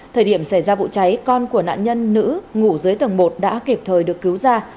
thời điểm xảy ra vụ cháy con của nạn nhân nữ ngủ dưới tầng một đã kịp thời được cứu ra